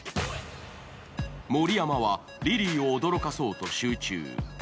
盛山はリリーを驚かそうと集中。